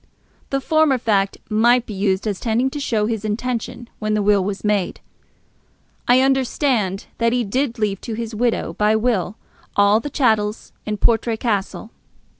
The former fact might be used as tending to show his intention when the will was made. I understand that he did leave to his widow by will all the chattels in Portray Castle.